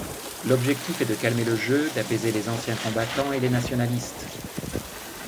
L’objectif est de calmer le jeu, d’apaiser les anciens combattants et les nationalistes.